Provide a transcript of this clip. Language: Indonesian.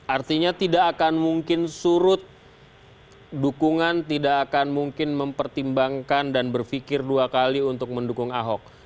artinya tidak akan mungkin surut dukungan tidak akan mungkin mempertimbangkan dan berpikir dua kali untuk mendukung ahok